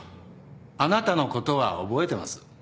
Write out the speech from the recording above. あなたのことは覚えてます。